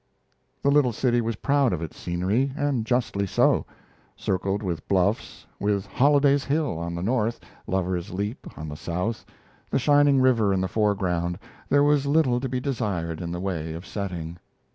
The little city was proud of its scenery, and justly so: circled with bluffs, with Holliday's Hill on the north, Lover's Leap on the south, the shining river in the foreground, there was little to be desired in the way of setting.